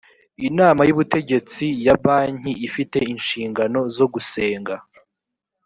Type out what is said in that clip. inama y ubutegetsi ya banki ifite inshingano zo gusenga